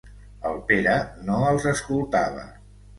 El Pere no els escoltava.